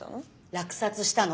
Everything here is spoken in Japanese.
落札したの。